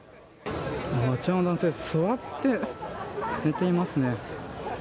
あちらの男性座って、寝ていますね。